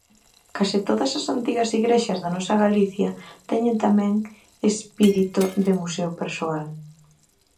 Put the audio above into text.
Case todas as antigas igrexas da nosa Galicia teñen tamén espírito de museo persoal.